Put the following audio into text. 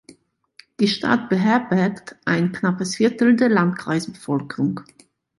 Die Stadt beherbergt ein knappes Viertel der Landkreisbevölkerung.